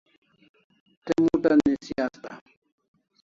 Te mut'a nisi asta